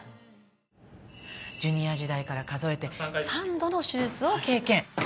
ジュニア時代から数えて３度の手術を経験。